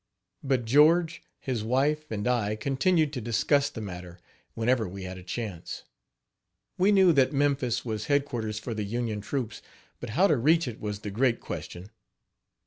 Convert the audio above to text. But George, his wife and I continued to discuss the matter, whenever we had a chance. We knew that Memphis was headquarters for the Union troops, but how to reach it was the great question.